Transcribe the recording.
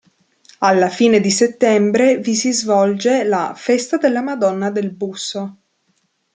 Alla fine di settembre vi si svolge la "Festa della Madonna del Busso".